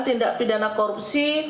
tindak pidana korupsi